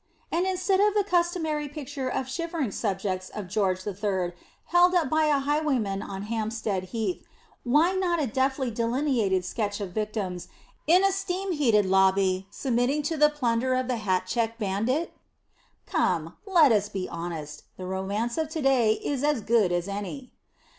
And instead of the customary picture of shivering subjects of George III held up by a highwayman on Hampstead Heath, why not a deftly delineated sketch of victims in a steam heated lobby submitting to the plunder of the hat check bandit? Come, let us be honest! The romance of to day is as good as any!